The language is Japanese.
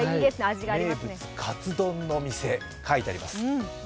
名物カツ丼の店と書いてあります。